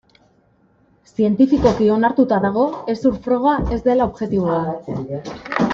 Zientifikoki onartuta dago hezur froga ez dela objektiboa.